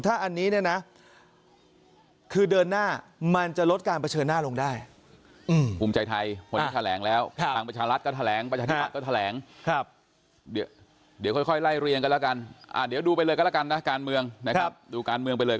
ถ้าอันนี้เนี่ยนะคือเดินหน้ามันจะลดการเผชิญหน้าลงได้